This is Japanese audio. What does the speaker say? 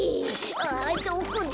あどこだ！